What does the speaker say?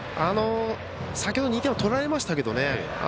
先ほど、２点を取られましたけどね